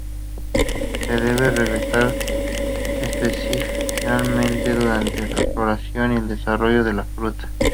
Se debe regar especialmente durante la floración y el desarrollo de la fruta.